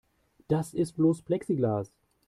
Das ist bloß Plexiglas.